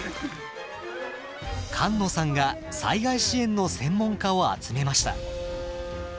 菅野さんが災害支援の専門家を集めました。